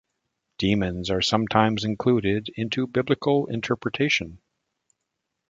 Demons are sometimes included into biblical interpretation.